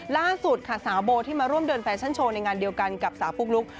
ล่าสุดค่ะสาวโบที่มาร่วมเดินแฟชั่นโชว์ในงานเดียวกันกับสาวปุ๊กลุ๊ก